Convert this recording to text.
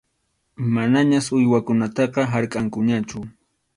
Manañas uywakunataqa harkʼankuñachu.